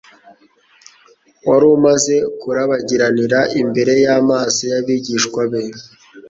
wari umaze kurabagiranira imbere y'amaso y'abigishwa be,